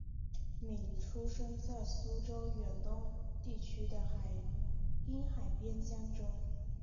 闵出生在苏联远东地区的滨海边疆州。